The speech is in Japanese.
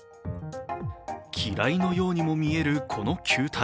機雷のようにも見えるこの球体。